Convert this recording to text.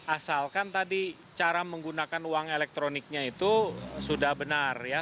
asalkan tadi cara menggunakan uang elektroniknya itu sudah benar ya